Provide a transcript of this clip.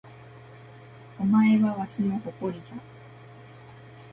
お前はわしの誇りじゃ